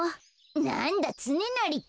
なんだつねなりか。